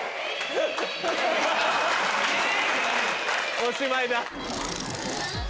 おしまいだ。